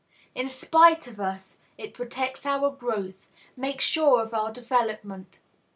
In spite of us, it protects our growth, makes sure of our development.